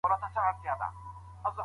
ښوونکي به زموږ پاڼه وړاندي نه کړي.